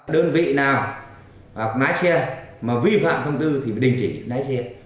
đơn vị nào lái xe mà vi phạm thông tư thì bị đình chỉ lái xe